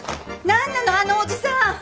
何なのあのおじさん！